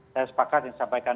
saya sepakat yang disampaikan